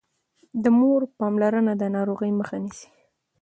د مور پاملرنه د ناروغۍ مخه نيسي.